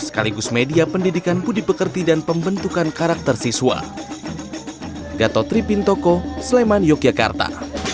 sekaligus media pendidikan budi pekerti dan pembentukan karakter siswa